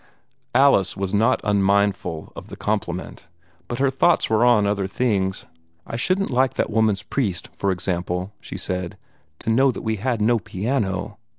Alice was not unmindful of the compliment, but her thoughts were on other things. "I shouldn't like that woman's priest, for example," she said, "to know that we had no piano."